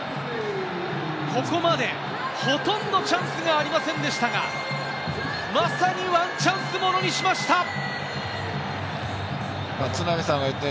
ここまでほとんどチャンスがありませんでしたが、まさにワンチャンス、ものにしました。